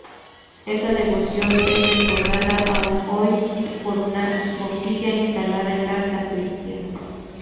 Esa devoción es recordada aún hoy por una boquilla instalada en la sacristía.